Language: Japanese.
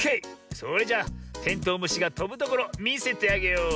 それじゃテントウムシがとぶところみせてあげよう。